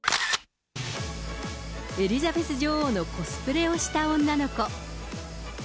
エリザベス女王のコスプレをした女の子。